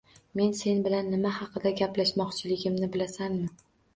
Men sen bilan nima haqida gaplashmoqchiligimni bilasanmi?